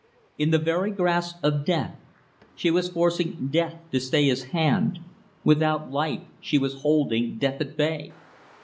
In the very grasp of Death, she was forcing Death to stay his hand without life, she was holding Death at bay.